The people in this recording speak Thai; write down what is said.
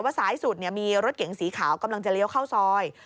ซ้ายสุดมีรถเก๋งสีขาวกำลังจะเลี้ยวเข้าซอย